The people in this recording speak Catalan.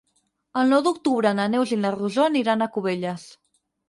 El nou d'octubre na Neus i na Rosó aniran a Cubelles.